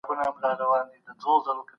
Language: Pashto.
کمپيوټر پوهنه د ساینس او ټکنالوژۍ ترکیب دی.